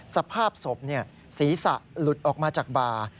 สภาพศพศีรษะหลุดออกมาจากบ่า